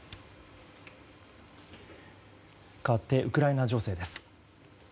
かわってウクライナ情勢です。